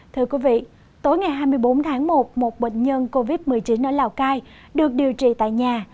tối ngày hai mươi bốn tháng một một bệnh nhân covid một mươi chín ở lào cai được điều trị tại nhà